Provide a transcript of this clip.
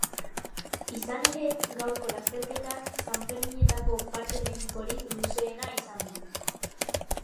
Izan ere, gaurko lasterketak sanferminetako parte medikorik luzeena izan du.